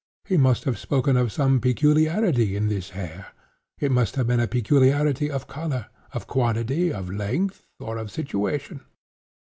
He must have spoken of some peculiarity in this hair. It must have been a peculiarity of color, of quantity, of length, or of situation.